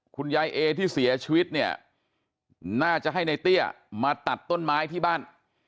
เอที่เสียชีวิตเนี่ยน่าจะให้ในเตี้ยมาตัดต้นไม้ที่บ้าน